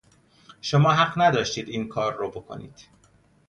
شما حق نداشتید اینکار رو بکنید